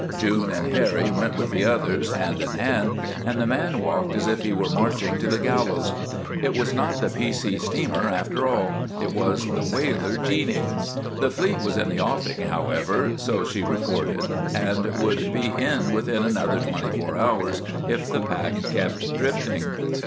June and Harry went with the others, hand in hand, and the man walked as if he were marching to the gallows. It was not the P. C. steamer, after all; it was the whaler Jeanie. The fleet was in the offing, however, so she reported, and would be in within another twenty four hours, if the pack kept drifting.